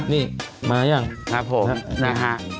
นี่มายังครับผมนะฮะ